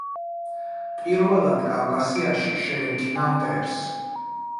პირველად კავკასიაში შეერკინა მტერს.